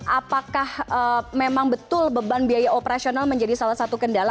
apakah memang betul beban biaya operasional menjadi salah satu kendala